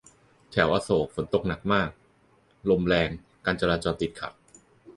แถวอโศก ฝนตกหนักมาก ลมแรง การจราจรติดขัด